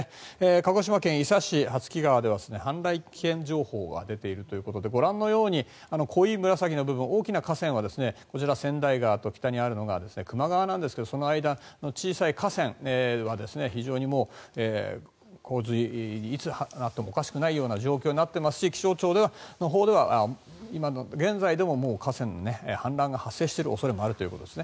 鹿児島県伊佐市・羽月川では氾濫危険情報が出ているということでご覧のように濃い紫の部分大きな河川はこちら、川内川と北にあるのが球磨川なんですがその間の小さい河川は非常に洪水にいつなってもおかしくないような状況になっていますし気象庁のほうでは今現在でも河川の氾濫が発生している恐れもあるということですね。